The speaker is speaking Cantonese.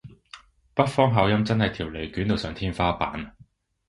北方口音真係條脷捲到上天花板